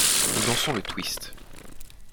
Nous dansons le twist.